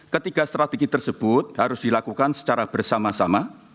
ketiga strategi tersebut harus dilakukan secara bersama sama